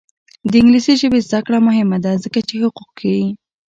د انګلیسي ژبې زده کړه مهمه ده ځکه چې حقوق ښيي.